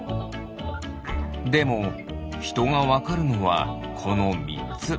でもひとがわかるのはこの３つ。